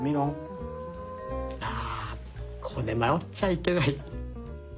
あここで迷っちゃいけない。